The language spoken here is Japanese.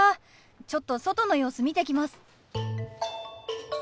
ちょっと外の様子見てきます。